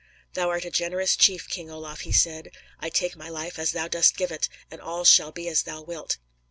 "Thou art a generous chief, King Olaf," he said. "I take my life as thou dost give it, and all shall be as thou wilt."